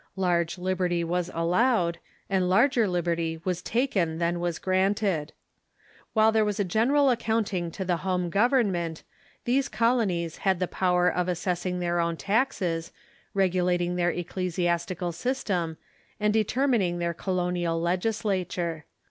Large liberty was al lowed, and larger liberty was taken than Avas granted. While there was a general accounting to the home government, these colonies had the power of assessing their own taxes, regulat ing their ecclesiastical system, and determining their colonial legislature.